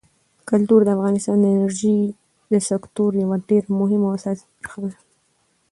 کلتور د افغانستان د انرژۍ د سکتور یوه ډېره مهمه او اساسي برخه ده.